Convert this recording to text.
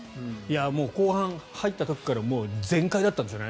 後半、入った時からもう全開だったんでしょうね。